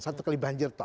satu kali banjir toh